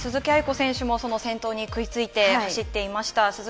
選手も先頭に食いついて走っていました。